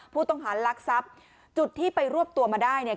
ผู้ต้องหารักทรัพย์จุดที่ไปรวบตัวมาได้เนี่ย